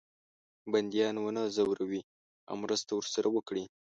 بندیان ونه زوروي او مرسته ورسره وکړي.